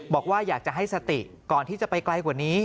บอกว่าอยากจะให้สติก่อนที่จะไปไกลกว่านี้